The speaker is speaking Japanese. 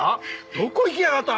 どこ行きやがった！？